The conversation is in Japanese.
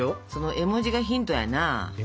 絵文字がヒント？